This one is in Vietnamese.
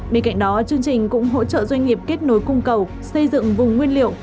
bên cạnh đó chương trình cũng hỗ trợ doanh nghiệp kết nối cung cầu xây dựng vùng nguyên liệu